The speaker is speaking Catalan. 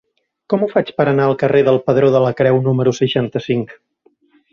Com ho faig per anar al carrer del Pedró de la Creu número seixanta-cinc?